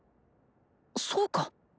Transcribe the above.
そうか。